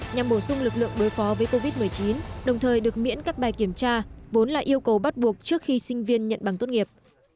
nhằm bổ sung lực lượng đối phó với covid một mươi chín đồng thời được miễn các bài kiểm tra vốn là yêu cầu bắt buộc trước khi sinh viên nhận bằng tốt nghiệp